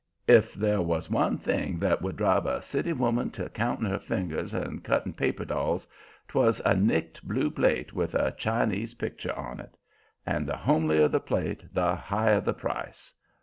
If there was one thing that would drive a city woman to counting her fingers and cutting paper dolls, 'twas a nicked blue plate with a Chinese picture on it. And the homelier the plate the higher the price.